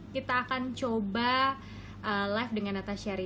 kita akan coba live dengan natasha rizky